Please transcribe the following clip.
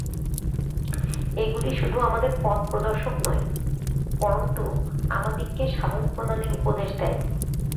এগুলি শুধু আমাদের পথ-প্রদর্শক নয়, পরন্তু আমাদিগকে সাধনপ্রণালীর উপদেশ দেয়।